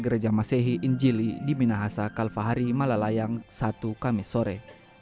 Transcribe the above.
gereja masehi injili di minahasa kalvahari malalayang satu kamis sore